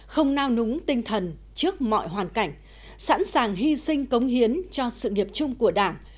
không nao núng tinh thần trước mọi hoàn cảnh sẵn sàng hy sinh cống hiến cho sự nghiệp chung của đảng